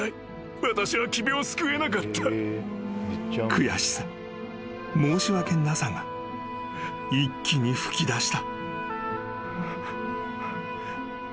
［悔しさ申し訳なさが一気に噴き出した］